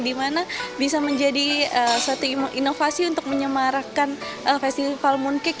dimana bisa menjadi suatu inovasi untuk menyemarakkan festival mooncake